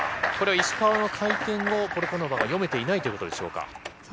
石川の回転をポルカノバが読めていないということでしょうか。